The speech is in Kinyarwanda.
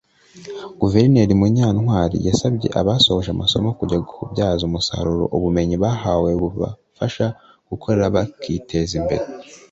Guverineri Munyantwari yasabye abasoje amasomo kujya kubyaza umusaruro ubumenyi bahawe bubafasha gukora bakiteza imbere